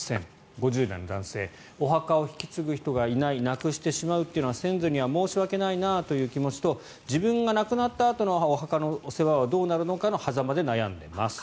５０代の男性お墓を引き継ぐ人がいないなくしてしまうというのは先祖には申し訳ないなという気持ちと自分が亡くなったあとのお墓の世話はどうなるのかのはざまで悩んでます。